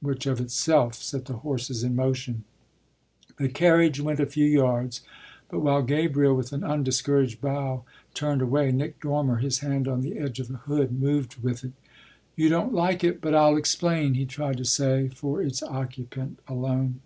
which of itself set the horses in motion. The carriage went a few yards, but while Gabriel, with an undiscouraged bow, turned away, Nick Dormer, his hand on the edge of the hood, moved with it. "You don't like it, but I'll explain," he tried to say for its occupant alone.